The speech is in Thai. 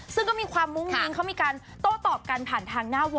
ซึ่งก็มีความมุ้งมิ้งเขามีการโต้ตอบกันผ่านทางหน้าวง